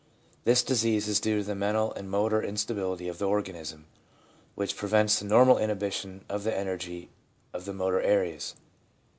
This disease is due to the mental and motor instability of the organism, which prevents the normal inhibition of the energy of the motor areas.